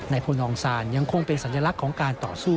โพนองซานยังคงเป็นสัญลักษณ์ของการต่อสู้